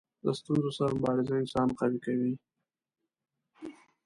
د ستونزو سره مبارزه انسان قوي کوي.